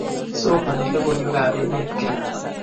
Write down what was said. Somani lokoiwek ab emet kila